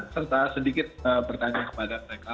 serta sedikit bertanya kepada mereka